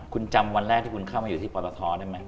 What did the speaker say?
คุณจำวันแรกที่คุณเข้ามาอยู่ที่ปตทได้ไหม